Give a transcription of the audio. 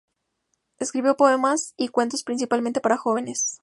Escribió poemas y cuentos principalmente para jóvenes.